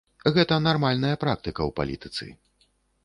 Гэта нармальная практыка ў палітыцы.